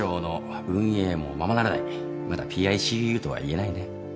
まだＰＩＣＵとは言えないね。